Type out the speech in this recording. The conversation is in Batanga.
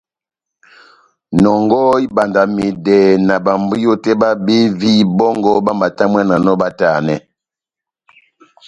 Nɔngɔhɔ ibandamedɛ na bámbwiyo tɛ́h bábevi bɔ́ngɔ bamatamwananɔ batanɛ.